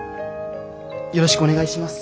よろしくお願いします。